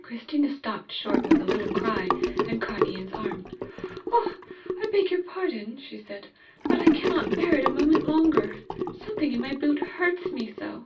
Christina stopped short with a little cry, and caught Ian's arm. "I beg your pardon," she said, "but I cannot bear it a moment longer! Something in my boot hurts me so!"